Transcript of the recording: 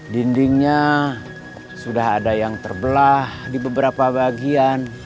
dindingnya sudah ada yang terbelah di beberapa bagian